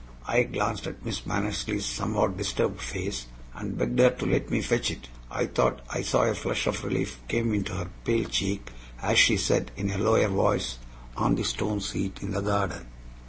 I glanced at Miss Mannersley's somewhat disturbed face, and begged her to let me fetch it. I thought I saw a flush of relief come into her pale cheek as she said, in a lower voice, "On the stone seat in the garden."